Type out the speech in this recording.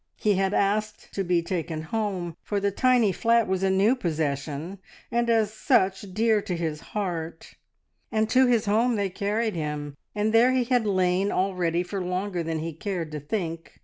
He had asked to be taken home, for the tiny flat was a new possession, and as such dear to his heart. And to his home they carried him, and there he had lain already for longer than he cared to think.